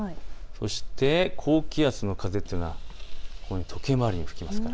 そして高気圧の風というのは時計回りに吹きます。